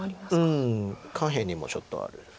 うん下辺にもちょっとある。